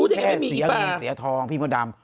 แค่เสียทองพี่พ่อดำ